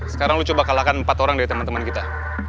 sekarang lu coba kalahkan empat orang dari teman teman kita